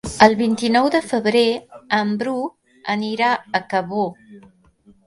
El vint-i-nou de febrer en Bru anirà a Cabó.